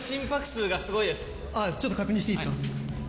ちょっと確認していいですか。